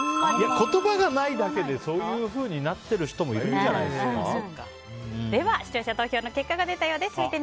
言葉がないだけでそういうふうになってる人も視聴者投票の結果が出たようです。